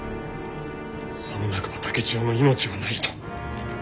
さもなくば竹千代の命はないと。